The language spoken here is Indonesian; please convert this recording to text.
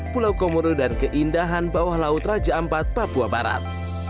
pulau komodo dan keindahan bawah laut raja ampat papua barat